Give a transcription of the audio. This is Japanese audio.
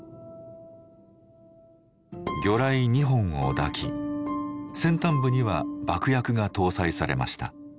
魚雷２本を抱き先端部には爆薬が搭載されました。